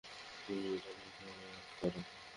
তুমি এটা নিক্ষেপ কর।